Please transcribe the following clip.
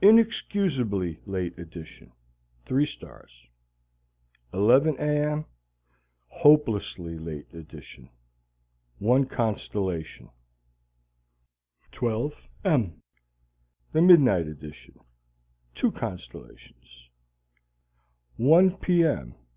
Inexcusably Late Edition Three stars 11 A. M. Hopelessly Late Edition One constellation 12 M. Midnight Edition Two constellations 1 P. M.